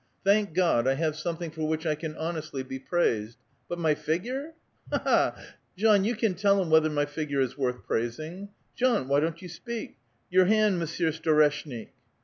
Thank God, I have something for which 1 can honestly be praised. But my figure ! ha ! ha ! ha ! Jean, you can tell him whether my figure is worth praising. Jean, why don't you speak ? Your hand, Monsieur Storeshnik."